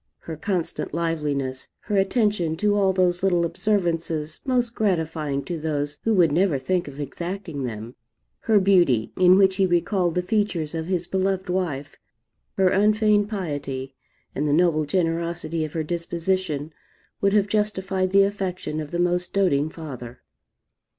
Her constant liveliness, her attention to all those little observances most gratifying to those who would never think of exacting them, her beauty, in which he recalled the features of his beloved wife, her unfeigned piety, and the noble generosity of her disposition, would have justified the affection of the most doting father.